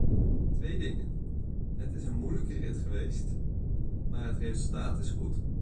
Twee dingen: het is een moeilijke rit geweest, maar het resultaat is goed.